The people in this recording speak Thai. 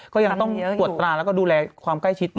ก็ยังต้องตรวจตราแล้วก็ดูแลความใกล้ชิด